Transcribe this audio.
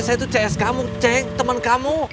saya tuh cs kamu ceng temen kamu